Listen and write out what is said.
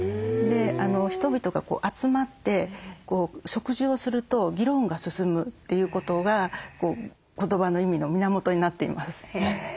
人々が集まって食事をすると議論が進むということが言葉の意味の源になっています。